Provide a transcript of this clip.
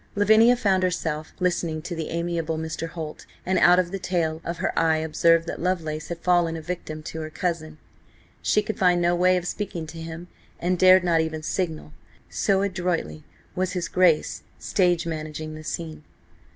Lavinia found herself listening to the amiable Mr. Holt, and out of the tail of her eye observed that Lovelace had fallen a victim to her cousin. She could find no way of speaking to him, and dared not even signal, so adroitly was his Grace stage managing the scene.